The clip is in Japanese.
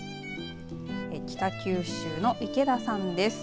北九州の池田さんです。